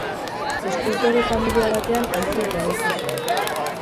Eskultore-familia batean hazi eta hezi zen.